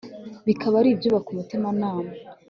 bikaba ari ibyubaka umutima nama